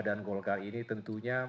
dan golkar ini tentunya